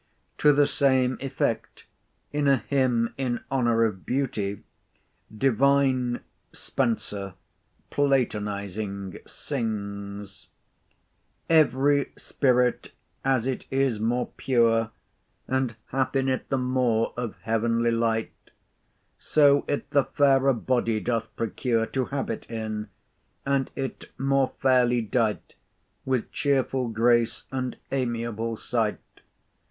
To the same effect, in a Hymn in honour of Beauty, divine Spenser, platonizing, sings:— —"Every spirit as it is more pure, And hath in it the more of heavenly light, So it the fairer body doth procure To habit in, and it more fairly dight With cheerful grace and amiable sight.